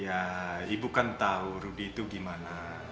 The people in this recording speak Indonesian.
ya ibu kan tahu rudy itu gimana